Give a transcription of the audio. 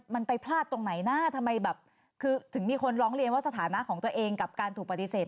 มันไปพลาดตรงไหนนะทำไมแบบคือถึงมีคนร้องเรียนว่าสถานะของตัวเองกับการถูกปฏิเสธ